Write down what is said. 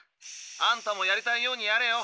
あんたもやりたいようにやれよ。